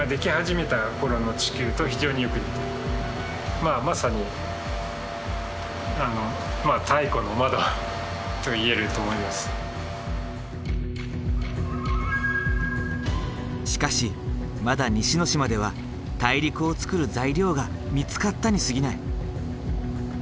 まあまさにしかしまだ西之島では大陸をつくる材料が見つかったにすぎない。